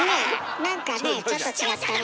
なんかねちょっと違ったね。